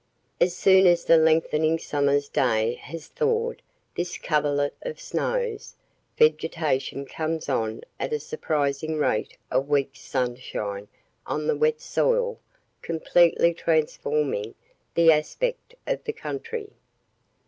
As soon as the lengthening summer's day has thawed this coverlet of snows, vegetation comes on at a surprising rate a week's sunshine on the wet soil completely transforming the aspect of the country.